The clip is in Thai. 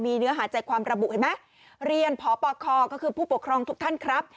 เนื้อหาใจความระบุเห็นไหมเรียนพปคก็คือผู้ปกครองทุกท่านครับ